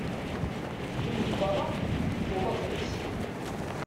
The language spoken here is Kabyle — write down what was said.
Ddem lpala tebduḍ afras.